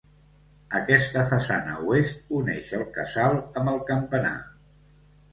Aquesta façana oest uneix el casal amb el campanar.